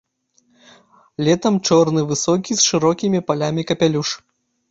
Летам чорны высокі з шырокімі палямі капялюш.